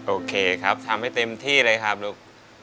โอเคครับทำให้เต็มที่เลยครับลูก